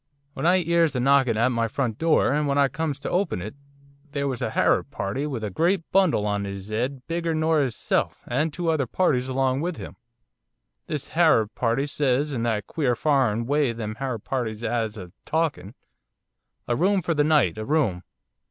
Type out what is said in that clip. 'When I 'ears a knockin' at my front door, and when I comes to open it, there was a Harab party, with a great bundle on 'is 'ead, bigger nor 'isself, and two other parties along with him. This Harab party says, in that queer foreign way them Harab parties 'as of talkin', "A room for the night, a room."